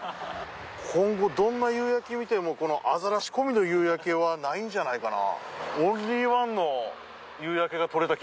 今後どんな夕焼け見てもこのアザラシ込みの夕焼けはないんじゃないかな？